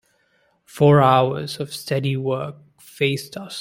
Four hours of steady work faced us.